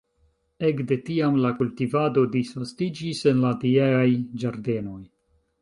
Ekde tiam la kultivado disvastiĝis en la tieaj ĝardenoj.